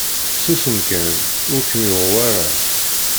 Susem kan ur d kem-yuɣ wara.